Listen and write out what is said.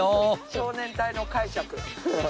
少年隊の解釈。